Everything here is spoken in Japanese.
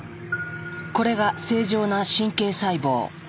これが正常な神経細胞。